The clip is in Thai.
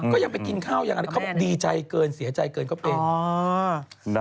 ก็ยังไปกินข้าวอย่างนั้นเขาดีใจเกินเสียใจเกินเขาเป็น